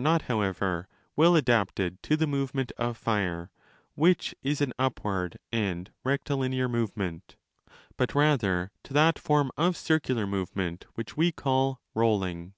not, however, well adapted to the movement of fire, which is an upward and rectilinear movement, but rather to that form of circular movement which we call rolling.